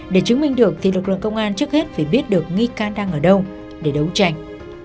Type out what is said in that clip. để chứng minh được thì lực lượng công an trước hết phải biết được nghi can đang ở đâu để đấu tranh